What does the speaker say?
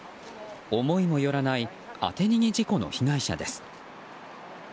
思いもよらない当て逃げ事故の被害者です。